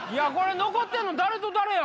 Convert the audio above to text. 残ってんの誰と誰や？